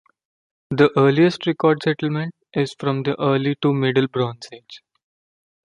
The earliest recorded settlement is from the Early to Middle Bronze Age.